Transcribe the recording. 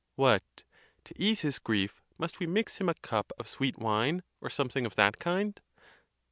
What! to ease his grief, must we mix him a cup of sweet wine, or something of that kind?